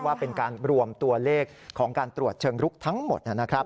ว่าเป็นการรวมตัวเลขของการตรวจเชิงลุกทั้งหมดนะครับ